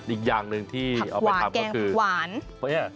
อีกอย่างหนึ่งที่เอาไปทำก็คือหวาน